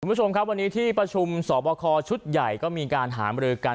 คุณผู้ชมครับวันนี้ที่ประชุมสอบคอชุดใหญ่ก็มีการหามรือกัน